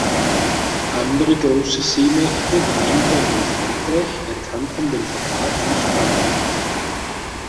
Andere große Seemächte wie England und Frankreich erkannten den Vertrag nicht an.